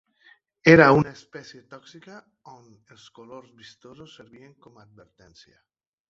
Era una espècie tòxica on els colors vistosos servien com a advertència.